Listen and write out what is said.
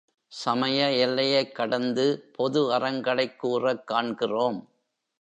சமய எல்லையைக் கடந்து பொது அறங்களைக் கூறக் காண்கிறோம்.